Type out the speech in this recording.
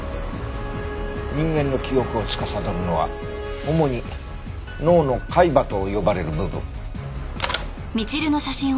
人間の記憶をつかさどるのは主に脳の海馬と呼ばれる部分。